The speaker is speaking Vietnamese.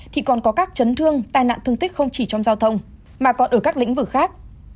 thì còn có các chấn thương tai nạn thương tích không chỉ trong giao thông mà còn ở các lĩnh vực khác